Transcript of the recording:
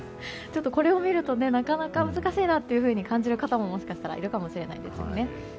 これを見ると、なかなか難しいなと感じる方ももしかしたらいるかもしれないですね。